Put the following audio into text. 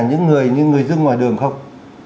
những người như người dưng ngoài đường không